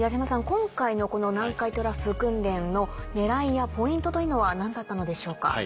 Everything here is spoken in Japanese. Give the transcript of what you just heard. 今回の南海トラフ訓練の狙いやポイントというのは何だったのでしょうか？